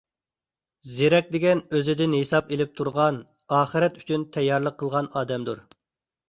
زېرەك دېگەن – ئۆزىدىن ھېساب ئېلىپ تۇرغان، ئاخىرەت ئۈچۈن تەييارلىق قىلغان ئادەمدۇر.